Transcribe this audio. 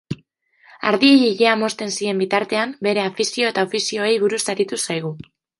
Ardiei ilea mozten zien bitartean bere afizio eta ofizioei buruz aritu zaigu.